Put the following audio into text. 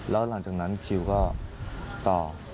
แล้วหลังจากนั้นคิวก็ตอบ